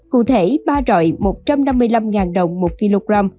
cụ thể ba rọi một trăm năm mươi năm đồng một kg